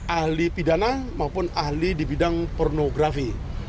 ahli pidana maupun ahli di bidang pornografi